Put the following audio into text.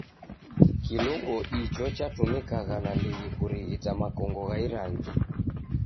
Kilungo icho chatumikagha nandighi kurighita makongo gha irangi.